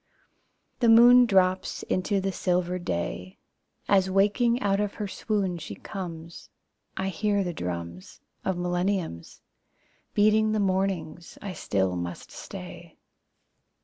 The moon drops into the silver day As waking out of her swoon she comes. I hear the drums Of millenniums Beating the mornings I still must stay.